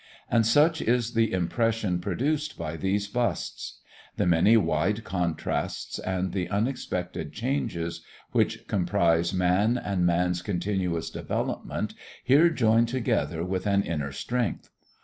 And such is the impression produced by these busts. The many wide contrasts and the unexpected changes which comprise man and man's continuous development here join together with an inner strength.